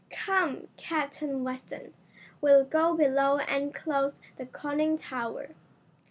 "Come, Captain Weston, we'll go below and close the conning tower."